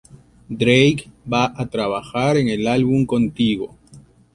Drake va a trabajar en el álbum conmigo".